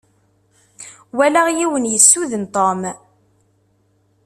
Walaɣ yiwen yessuden Tom.